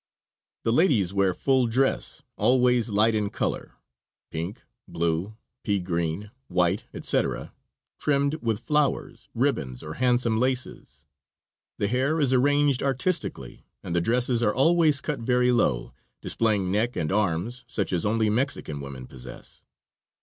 The ladies wear full dress, always light in color pink, blue, pea green, white, etc. trimmed with flowers, ribbons or handsome laces. The hair is arranged artistically, and the dresses are always cut very low, displaying neck and arms such as only Mexican women possess.